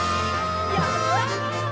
やった！